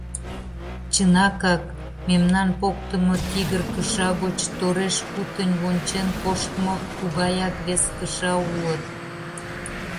Чынакак, мемнан поктымо тигр кыша гоч тореш-кутынь вончен коштмо тугаяк вес кыша улыт.